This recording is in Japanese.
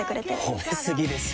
褒め過ぎですよ。